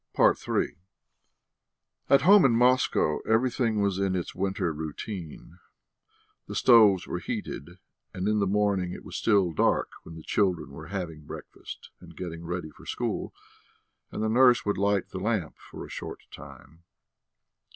III At home in Moscow everything was in its winter routine; the stoves were heated, and in the morning it was still dark when the children were having breakfast and getting ready for school, and the nurse would light the lamp for a short time.